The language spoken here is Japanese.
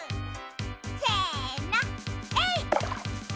せのえいっ！